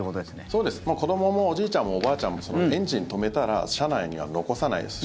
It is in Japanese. そうです、子どももおじいちゃんもおばあちゃんもエンジン止めたら車内には残さないです。